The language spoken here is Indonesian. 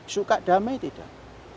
suka damai tidak